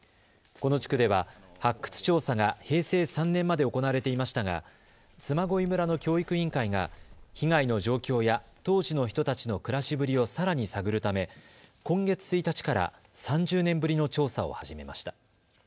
この地区では発掘調査が平成３年まで行われていましたが嬬恋村の教育委員会が被害の状況や当時の人たちの暮らしぶりをさらに探るため今月１日から３０年ぶりの調査を始めました。